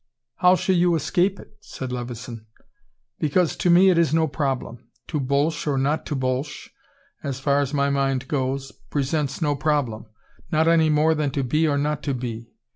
"How shall you escape it?" said Levison. "Because to me it is no problem. To Bolsh or not to Bolsh, as far as my mind goes, presents no problem. Not any more than to be or not to be.